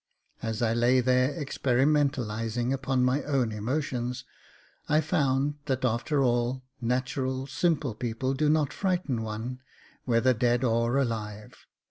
As I lay there experimentalising upon my own emotions I found that after all, natural simple people do not frighten one whether dead or alive.